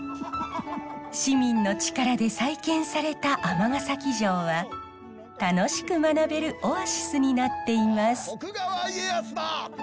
市民の力で再建された尼崎城は楽しく学べるオアシスになっています。